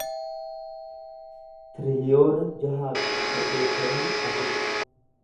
tiriliyoona jaha fi saddeettamii afur